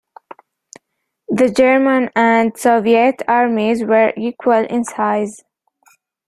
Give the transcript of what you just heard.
The German and Soviet armies were equal in size.